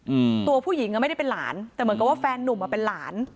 อืมตัวผู้หญิงอ่ะไม่ได้เป็นหลานแต่เหมือนกับว่าแฟนนุ่มอ่ะเป็นหลาน